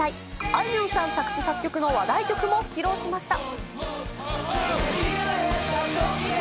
あいみょんさん作詞作曲の話題曲も披露しました。